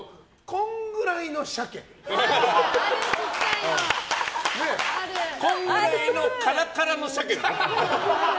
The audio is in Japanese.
こんぐらいのカラカラのシャケ。